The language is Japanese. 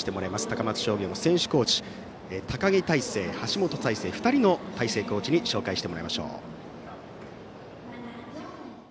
高松商業の選手、コーチ高木大誠、橋本大誠２人の大誠コーチに紹介してもらいましょう。